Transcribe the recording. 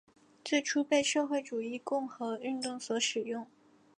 最初被社会主义共和运动所使用。